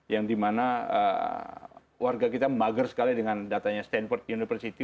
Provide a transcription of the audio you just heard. yang dimana warga kita mager sekali dengan datanya stanford university